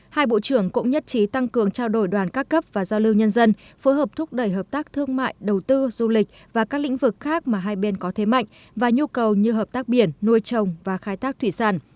hai bộ trưởng cũng nhất trí tăng cường trao đổi đoàn các cấp và giao lưu nhân dân phối hợp thúc đẩy hợp tác thương mại đầu tư du lịch và các lĩnh vực khác mà hai bên có thế mạnh và nhu cầu như hợp tác biển nuôi trồng và khai thác thủy sản